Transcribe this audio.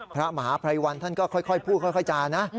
พระมหาภัยวันท่านก็ค่อยพูดค่อยจานะ